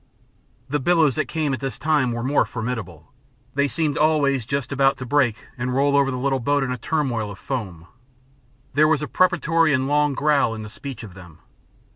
The billows that came at this time were more formidable. They seemed always just about to break and roll over the little boat in a turmoil of foam. There was a preparatory and long growl in the speech of them.